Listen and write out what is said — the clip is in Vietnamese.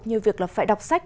như việc là phải đọc sách